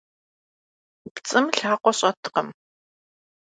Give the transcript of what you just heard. Pts'ım lhakhue ş'etkhım.